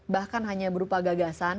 bahkan hanya berupa gagasan